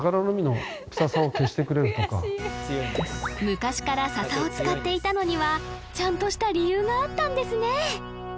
昔から笹を使っていたのにはちゃんとした理由があったんですね